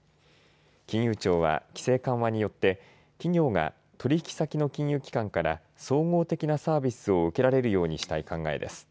金融庁は規制緩和によって企業が取引先の金融機関から総合的なサービスを受けられるようにしたい考えです。